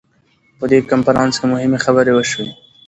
په دې کنفرانس کې مهمې خبرې وشوې.